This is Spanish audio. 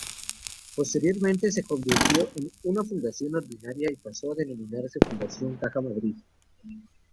Posteriormente, se convirtió en una fundación ordinaria y pasó a denominarse Fundación Caja Madrid.